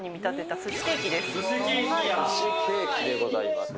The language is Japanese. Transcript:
すしケーキでございます。